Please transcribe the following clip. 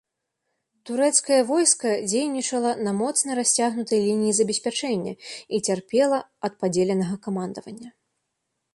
Турэцкае войска дзейнічала на моцна расцягнутай лініі забеспячэння і цярпела ад падзеленага камандавання.